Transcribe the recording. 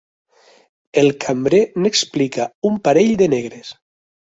El cambrer n'explica un parell de negres.